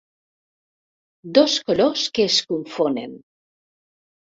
Dos colors que es confonen.